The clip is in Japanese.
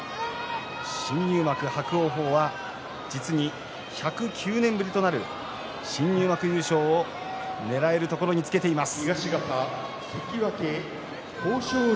入門４場所目で新入幕伯桜鵬は実に１０９年ぶりとなる新入幕優勝を狙えるところにつけています。